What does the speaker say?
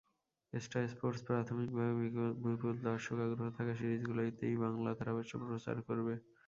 Star Sports প্রাথমিকভাবে বিপুল দর্শক আগ্রহ থাকা সিরিজগুলোতেই বাংলা ধারাভাষ্য প্রচার করবে।